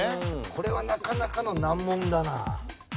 これはなかなかの難問だな。